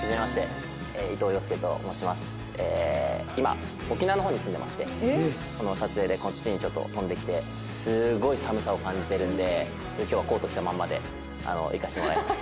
今沖縄の方に住んでましてこの撮影でこっちにちょっと飛んできてすごい寒さを感じてるんで今日はコート着たまんまでいかせてもらいます。